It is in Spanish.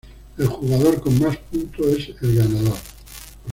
El jugador con más puntos es el ganador.